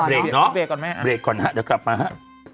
เบรกเนอะเบรกก่อนนะฮะเดี๋ยวกลับมาฮะ